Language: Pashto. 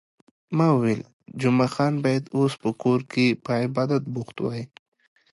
ما وویل، جمعه خان باید اوس په کور کې په عبادت بوخت وای.